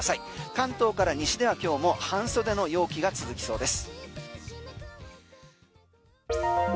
関東から西では今日も半袖の陽気が続きそうです。